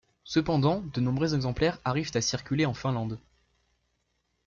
Cependant, de nombreux exemplaires arrivent à circuler en Finlande.